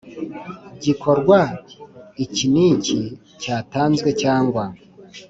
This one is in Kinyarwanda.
Gikorwa iki n iki cyatanzwe cyangwa